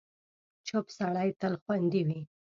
چوپ سړی، تل خوندي وي.